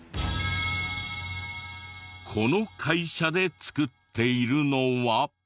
この会社で作っているのは。